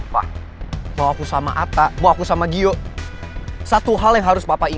pa mau aku sama atta mau aku sama gio satu hal yang harus diperhatikan